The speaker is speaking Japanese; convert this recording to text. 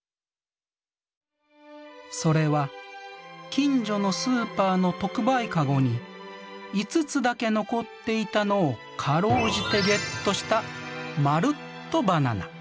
それは近所のスーパーの特売カゴに５つだけ残っていたのを辛うじてゲットしたまるっとバナナ。